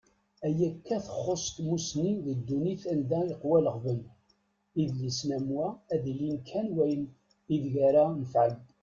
Ayakka txuṣṣ tmusni deg ddunit anda yeqwa leɣben, idlisen am wa ad yili kan wayen ideg ara nefƐen.